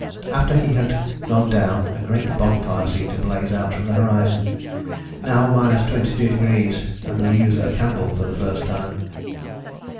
After he had gone down a great bonfire seemed to blaze out from the horizon. Now 22° and we use a candle for the first time.